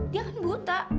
dia kan buta